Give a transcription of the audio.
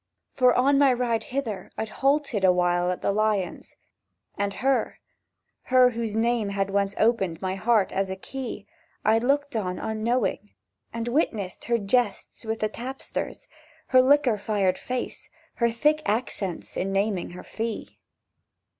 For, on my ride hither, I'd halted Awhile at the Lions, And her—her whose name had once opened My heart as a key— I'd looked on, unknowing, and witnessed Her jests with the tapsters, Her liquor fired face, her thick accents In naming her fee.